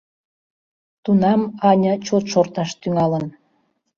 — тунам Аня чот шорташ тӱҥалын.